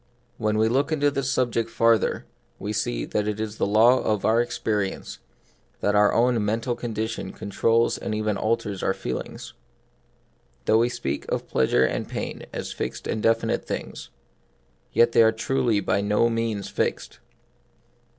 When we look into this subject farther, we see that it is a law of our experience that our own mental condition controls and even alters our feelings. Though we speak of plea sure and pain as fixed and definite things, yet they are truly by no means fixed.